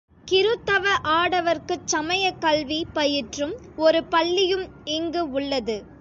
கிருத்தவ ஆடவர்க்குச் சமயக்கல்வி பயிற்றும் ஒரு பள்ளியும் இங்கு உள்ளது.